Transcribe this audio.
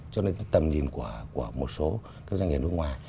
cho nên tầm nhìn của một số các doanh nghiệp nước ngoài